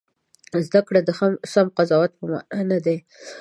زده کړې د سم قضاوت په مانا نه دي.